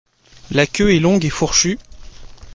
La queue est longue et fourchue.